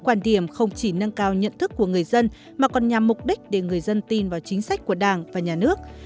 quan điểm không chỉ nâng cao nhận thức của người dân mà còn nhằm mục đích để người dân tin vào chính sách của đảng và nhà nước